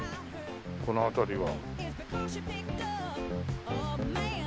この辺りは。